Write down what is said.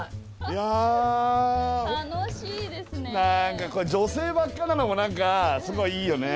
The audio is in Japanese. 何か女性ばっかなのも何かすごいいいよね。